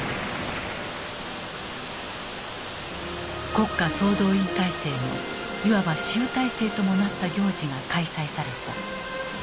国家総動員体制のいわば集大成ともなった行事が開催された。